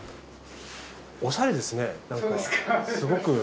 おしゃれですねなんかすごく。